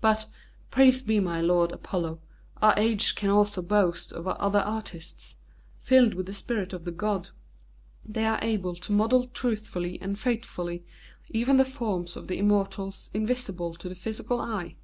But, praised be my lord, Apollo, our age can also boast of other artists. Filled with the spirit of the god, they are able to model truthfully and faithfully even the forms of the immortals invisible to the physical eye.